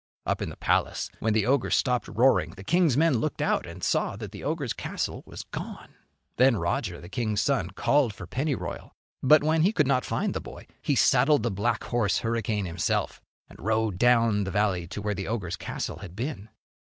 Up in the palace, when the ogre stopped roaring, the king's men looked out and saw that the ogre's castle was gone. Then Roger, the king's son, called for Pennyroyal. But when he could not find the boy, he saddled the black horse Hurricane himself and rode down the valley to where the ogre's castle had been.